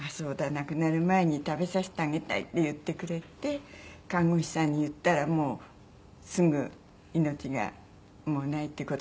亡くなる前に食べさせてあげたい」って言ってくれて看護師さんに言ったらもうすぐ命がもうないっていう事わかってたんでしょうね。